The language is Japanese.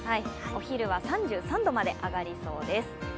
お昼は３３度まで上がりそうです。